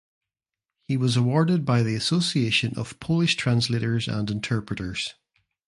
He was awarded by the Association of Polish Translators and Interpreters.